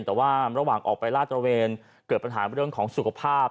แต่ว่าระหว่างออกไปลาดตระเวนเกิดปัญหาเรื่องของสุขภาพ